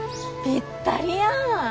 ぴったりやん！